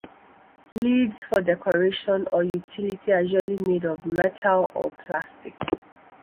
Leads for decoration or utility are usually made of metal or plastic.